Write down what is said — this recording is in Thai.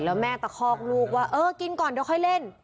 แล้วแม่ตะคอกลูกว่าเออกินก่อนเดี๋ยวค่อยเล่น